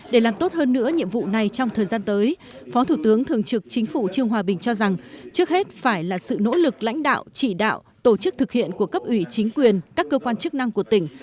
để làm tốt hơn nữa nhiệm vụ này trong thời gian tới phó thủ tướng thường trực chính phủ trương hòa bình cho rằng trước hết phải là sự nỗ lực lãnh đạo chỉ đạo tổ chức thực hiện của cấp ủy chính quyền các cơ quan chức năng của tỉnh